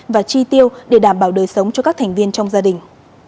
và chi tiêu để đảm bảo đời sống cho các thành viên trong gia đình